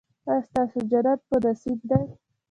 ایا ستاسو جنت په نصیب دی؟